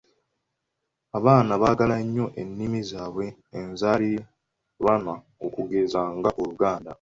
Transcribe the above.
"Abaana baagala nnyo ennimi zaabwe enzaaliranwa okugeza nga, Oluganda."